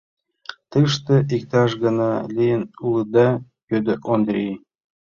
— Тыште иктаж-гана лийын улыда? — йодо Ондрий.